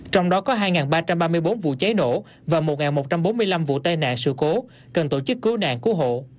trong đó có hai ba trăm ba mươi bốn vụ cháy nổ và một một trăm bốn mươi năm vụ tai nạn sự cố cần tổ chức cứu nạn cứu hộ